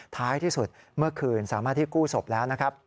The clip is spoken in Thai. ท้ายที่สุดเมื่อคืนสามารถที่กู้ศพแล้วนะครับ